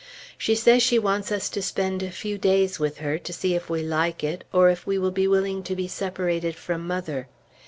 She says she wants us to spend a few days with her, to see if we like it, or if we will be willing to be separated from mother.